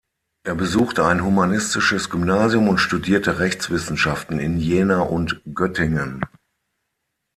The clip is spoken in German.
Er besuchte ein humanistisches Gymnasium und studierte Rechtswissenschaften in Jena und Göttingen.